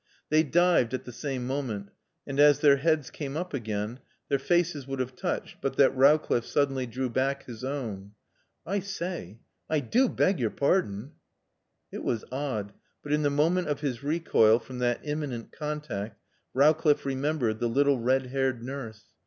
They dived at the same moment, and as their heads came up again their faces would have touched but that Rowcliffe suddenly drew back his own. "I say, I do beg your pardon!" It was odd, but in the moment of his recoil from that imminent contact Rowcliffe remembered the little red haired nurse.